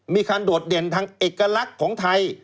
โดดเด่นทางเอกลักษณ์ของไทย